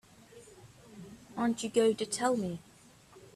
Aren't you going to tell me?